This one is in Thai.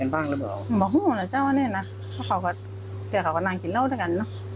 ผมบอกคุณหัวหน่อยเจ้าว่าเนี่ยนะเคยเขาก็นั่งกินเล่าด้วยกันเนอะ